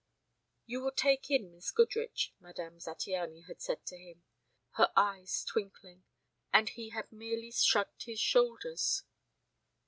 "You will take in Miss Goodrich," Madame Zattiany had said to him, her eyes twinkling, and he had merely shrugged his shoulders.